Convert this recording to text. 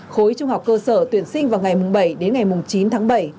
khối trung học cơ sở tuyển sinh vào ngày mùng bảy đến ngày mùng chín tháng bảy